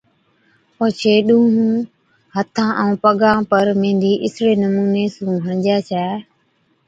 اوڇي ڏُونھُون ھٿان ائُون پگان پر ميھندِي اِسڙي نمُوني سُون ھَڻجي ڇَي